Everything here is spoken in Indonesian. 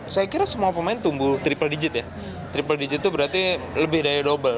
saya kira semua pemain tumbuh triple digit ya triple digit itu berarti lebih daya double